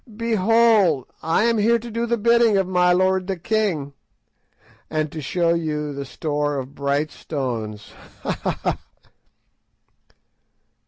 Behold, I am here to do the bidding of my lord the king, and to show you the store of bright stones. _Ha! ha! ha!